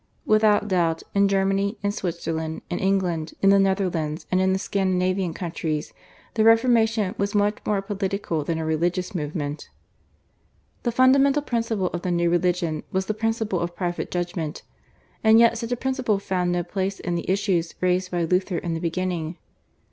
Without doubt, in Germany, in Switzerland, in England, in the Netherlands, and in the Scandinavian countries, the Reformation was much more a political than a religious movement. The fundamental principle of the new religion was the principle of private judgment, and yet such a principle found no place in the issues raised by Luther in the beginning.